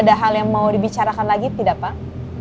ada hal yang mau dibicarakan lagi tidak pak